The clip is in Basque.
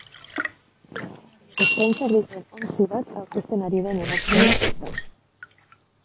Eskaintzak dituen ontzi bat aurkezten ari den emakume bat da.